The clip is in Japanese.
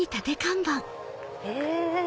へぇ！